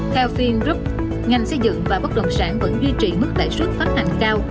theo vingroup ngành xây dựng và bất động sản vẫn duy trì mức lại suất phát hành cao